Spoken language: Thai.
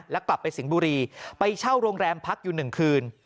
แล้วกลับไปสิงห์บุรีไปเช่าโรงแรมพักอยู่๑คืน